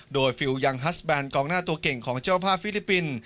โดยฟิลยังฮัสแบนกองหน้าตัวเก่งของเจ้าภาพฟิลิปปินส์